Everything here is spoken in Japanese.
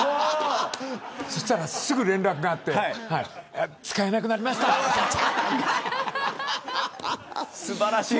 そしたらすぐに連絡があって使えなくなりましたって。